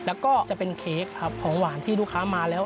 แล้วก็จะเป็นเค้กครับของหวานที่ลูกค้ามาแล้ว